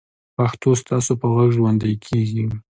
پښتو ستاسو په غږ ژوندۍ کېږي.